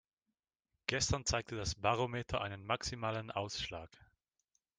Gestern zeigte das Barometer einen maximalen Ausschlag.